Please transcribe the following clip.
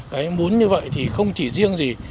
đấy muốn như vậy thì không chỉ riêng gì